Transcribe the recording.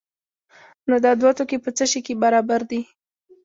نو دا دوه توکي په څه شي کې برابر دي؟